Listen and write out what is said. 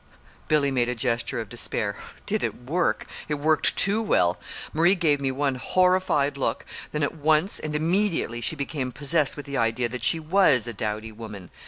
Billy made a gesture of despair. "Did it work! It worked too well. Marie gave me one horrified look, then at once and immediately she became possessed with the idea that she was a dowdy woman.